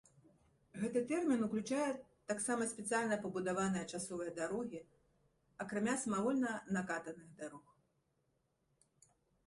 Гэты тэрмін уключае таксама спецыяльна пабудаваныя часовыя дарогі, акрамя самавольна накатаных дарог.